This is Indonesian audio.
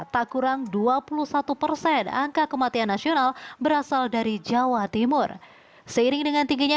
tak kurang dua puluh satu persen angka kematian nasional berasal dari jawa timur seiring dengan tingginya